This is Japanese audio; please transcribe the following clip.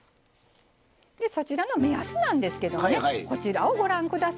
でそちらの目安なんですけどねこちらをご覧下さい。